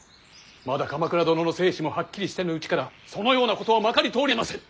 まだ鎌倉殿の生死もはっきりせぬうちからそのようなことはまかり通りませぬ。